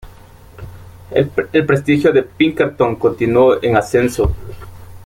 El prestigio de "Pinkerton" continuó en ascenso.